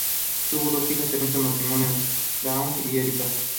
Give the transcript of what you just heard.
Tuvo dos hijas en esos matrimonios: Dawn y Erica.